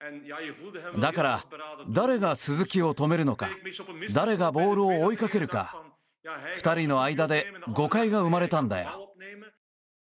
だから、誰が鈴木を止めるのか誰がボールを追いかけるか２人の間で誤解が生まれたんだよ。